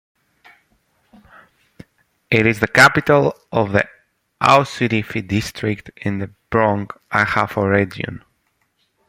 It is the capital of the Asutifi District in the Brong Ahafo Region.